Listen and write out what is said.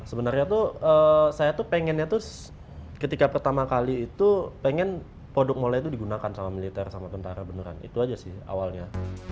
sebenarnya tuh saya tuh pengennya tuh ketika pertama kali itu pengen produk molai itu digunakan sama militer sama tentara beneran itu aja sih awalnya